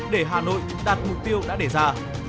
để hà nội đạt mục tiêu đã đề ra